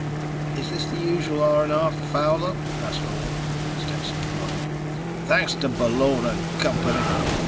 "Is this the usual R&R foul up?" asked Orne. Stetson nodded. "Thanks to Bullone and company!